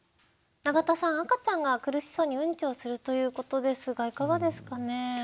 永田さん赤ちゃんが苦しそうにウンチをするということですがいかがですかね？